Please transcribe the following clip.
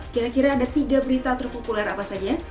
kira kira ada tiga berita terpopuler apa saja